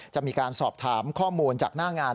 จะมีการสอบถามข้อมูลจากหน้างาน